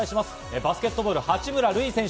バスケットボール、八村塁選手。